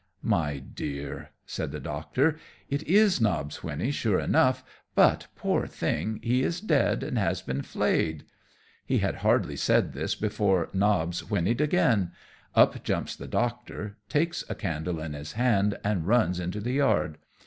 "My Dear," said the Doctor, "it is Nobb's whinny sure enough; but, poor thing, he is dead, and has been flayed." He had hardly said this before Nobbs whinnied again up jumps the Doctor, takes a candle in his hand, and runs into the yard.